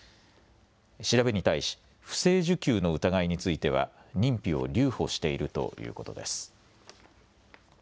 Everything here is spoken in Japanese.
調べに対し不正受給の疑いについては認否を留保しているということです。